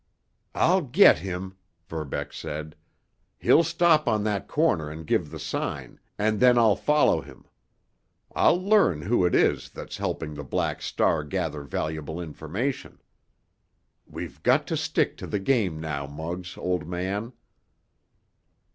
"I'll get him!" Verbeck said. "He'll stop on that corner and give the sign, and then I'll follow him. I'll learn who it is that's helping the Black Star gather valuable information. We've got to stick to the game now, Muggs, old man!"